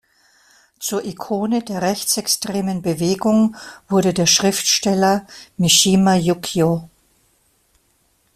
Zur Ikone der rechtsextremen Bewegung wurde der Schriftsteller Mishima Yukio.